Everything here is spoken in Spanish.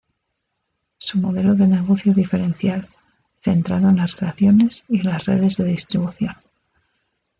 Su modelo de negocio diferencial, centrado en las relaciones y las redes de distribución.